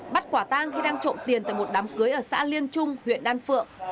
bắt quả tang khi đang trộm tiền tại một đám cưới ở xã liên trung huyện đan phượng